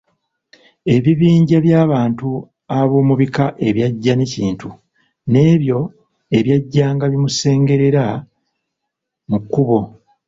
Ebibinja by'abantu ab'omu bika ebyajja ne Kintu, n'ebyo ebyajjanga bimusengera mu kkubo.